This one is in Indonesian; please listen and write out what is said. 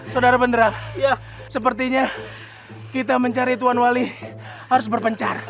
saudara penderang sepertinya kita mencari tuan wali harus berpencar